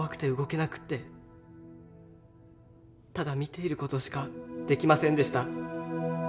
ただ見ている事しかできませんでした。